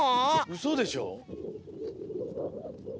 うそでしょ！？